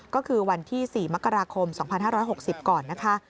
ก็คือวันที่๔มกราคม๒๕๖๐ก่อนนะคะ